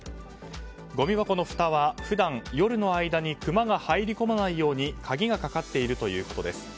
ごみ箱のふたは普段、夜の間にクマが入り込まないように鍵がかかっているということです。